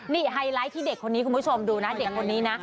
นี่ไฮไลท์ที่เด็กคนนี้คุณผู้ชมดูนะเด็กคนนี้นะ